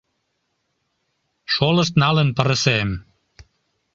Шолышт налын пырысем.